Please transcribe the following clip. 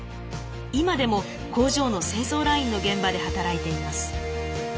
今でも工場の製造ラインの現場で働いています。